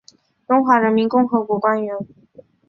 中华人民共和国官员。